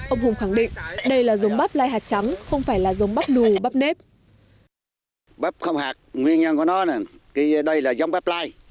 ông hùng khẳng định đây là dòng bắp lai hạt trắng không phải là dòng bắp đù bắp nếp